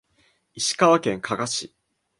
石川県加賀市